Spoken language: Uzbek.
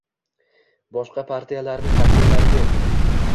Boshqa partiyalarning vakillari yo'q